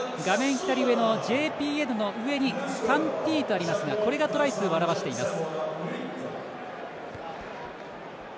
左上の「ＪＰＮ」の上に「３Ｔ」とありますがこれがトライ数を表しています。